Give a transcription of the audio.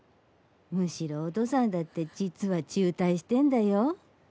むしろお父さんだって実は中退してんだよ